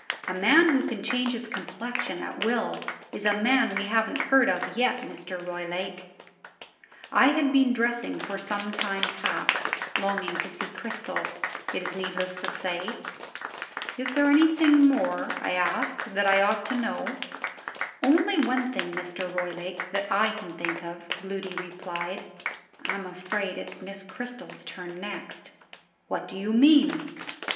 A man who can change his complexion, at will, is a man we hav'n't heard of yet, Mr. Roylake." I had been dressing for some time past; longing to see Cristel, it is needless to say. "Is there anything more," I asked, "that I ought to know?" "Only one thing, Mr. Roylake, that I can think of," Gloody replied. "I'm afraid it's Miss Cristel's turn next." "What do you mean?"